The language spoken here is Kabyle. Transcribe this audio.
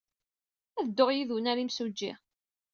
Ad dduɣ yid-wen ɣer yimsujji.